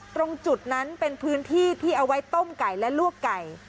ตรงจุดนั้นเป็นพื้นที่ที่เอาไว้ต้มไก่และลวกไก่